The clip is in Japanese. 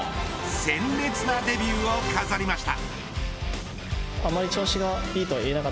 鮮烈なデビューを飾りました。